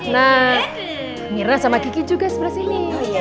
nah mira sama kiki juga sebelah sini